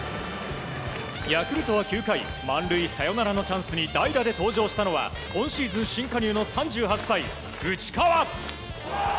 ヤクルトは９回満塁サヨナラのチャンスに代打で登場したのは今シーズン新加入の３８歳、内川。